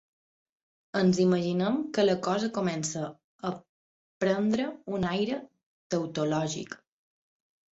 Ens imaginem que la cosa comença a prendre un aire tautològic.